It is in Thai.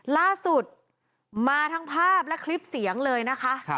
ล่าสุดมาทั้งภาพและคลิปเสียงเลยนะคะ